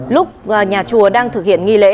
lúc nhà chùa đang thực hiện nghi lễ